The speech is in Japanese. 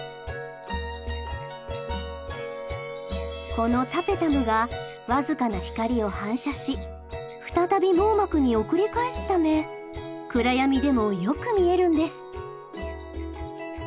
このタペタムが僅かな光を反射し再び網膜に送り返すため暗闇でもよく見えるんです。